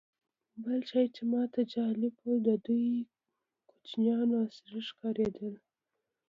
بل شی چې ماته جالبه و، د دوی کوچیان عصري ښکارېدل.